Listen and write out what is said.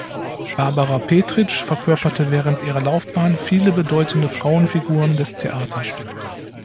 Barbara Petritsch verkörperte während ihrer Laufbahn viele bedeutende Frauenfiguren des Theaters.